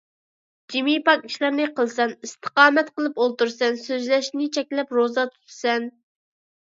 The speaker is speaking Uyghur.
جىمى پاك ئىشلارنى قىلىسەن، ئىستىقامەت قىلىپ ئولتۇرىسەن، سۆزلەشنى چەكلەپ، روزا تۇتىسەن.